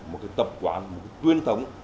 một cái tuyên thống